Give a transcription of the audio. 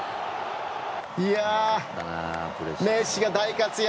メッシが大活躍。